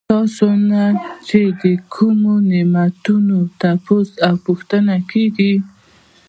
ستاسو نه چې د کومو نعمتونو تپوس او پوښتنه کيږي